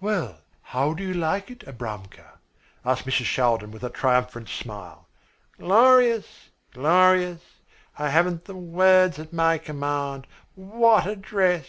"Well, how do you like it, Abramka!" asked Mrs. Shaldin with a triumphant smile. "Glorious, glorious! I haven't the words at my command. What a dress!